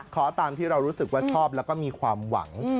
ขอตามที่เรารู้สึกว่าชอบแล้วก็มีความหวัง